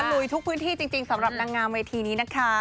ลุยทุกพื้นที่จริงสำหรับนางงามเวทีนี้นะคะ